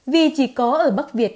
vì chỉ có ở bắc việt